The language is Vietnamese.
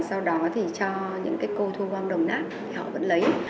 sau đó cho những cô thu hoang đồng nát họ vẫn lấy